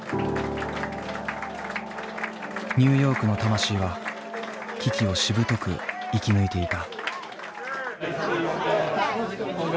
ニューヨークの魂は危機をしぶとく生き抜いていた。